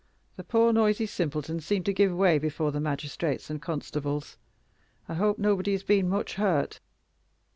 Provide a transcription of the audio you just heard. The poor noisy simpletons seemed to give way before the magistrates and the constables. I hope nobody has been much hurt.